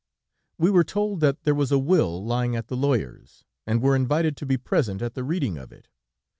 "We were told that there was a will lying at the lawyer's, and were invited to be present at the reading of it.